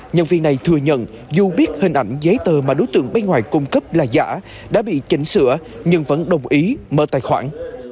nhân viên này thừa nhận dù biết hình ảnh giấy tờ mà đối tượng bên ngoài cung cấp là giả đã bị chỉnh sửa nhưng vẫn đồng ý mở tài khoản